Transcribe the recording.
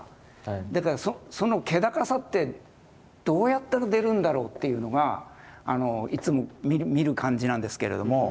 だからその気高さってどうやったら出るんだろうっていうのがいつも見る感じなんですけれども。